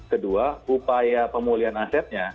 kedua upaya pemulihan asetnya